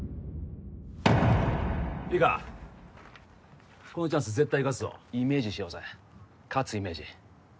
いいかこのチャンス絶対生かすぞイメージしようぜ勝つイメージ